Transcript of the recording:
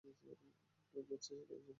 কে যাচ্ছে সেটা বিষয় না!